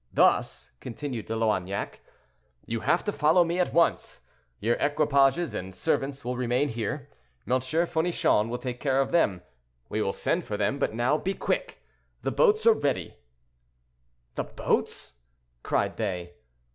"Thus," continued De Loignac, "you have to follow me at once; your equipages and servants will remain here, M. Fournichon will take care of them: we will send for them; but now, be quick! the boats are ready." "The boats!" cried they.